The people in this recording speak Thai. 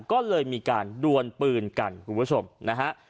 ก็เลยมีการดวนปืนกันคุณผู้ชมนะฮะ